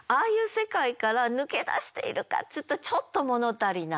世界から抜け出しているかっていうとちょっと物足りない。